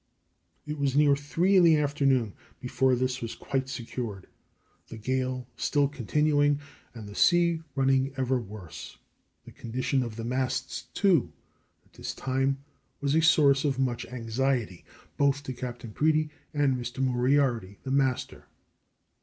It was near three in the afternoon before this was quite secured, the gale still continuing, and the sea running even worse. The condition of the masts, too, at this time was a source of much anxiety both to Captain Preedy and Mr. Moriarty, the master.